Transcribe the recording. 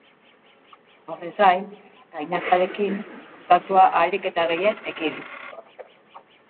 Horrez gain, gainazalekin kontaktua ahalik eta gehien ekidin.